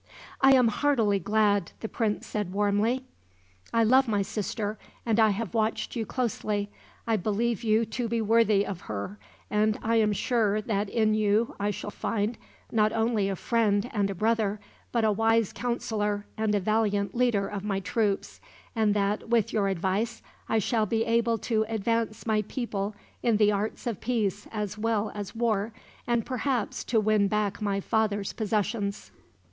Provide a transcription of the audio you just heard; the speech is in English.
"I am heartily glad," the prince said warmly. "I love my sister, and I have watched you closely. I believe you to be worthy of her, and I am sure that in you I shall find, not only a friend and a brother, but a wise counselor and a valiant leader of my troops; and that, with your advice, I shall be able to advance my people in the arts of peace as well as war, and perhaps to win back my father's possessions.